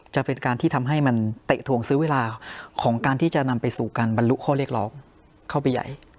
จะเป็นการที่ทำให้มันเตะถวงซื้อเวลาของการที่จะนำไปสู่การบรรลุข้อเรียกร้องเข้าไปใหญ่